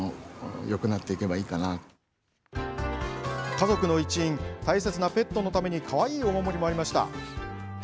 家族の一員大切なペットのためにかわいいお守りもありました。